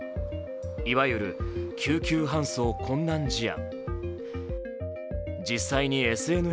いわゆる救急搬送困難事案。